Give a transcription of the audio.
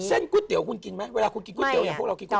เส้นก๋วยเตี๋ยวคุณกินไหมเวลาคุณกินก๋วยเตี๋ยวเนี่ยพวกเรากินก๋วยเตี๋ยว